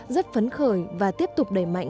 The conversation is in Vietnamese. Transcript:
rất phấn khởi và tiếp tục đẩy mạnh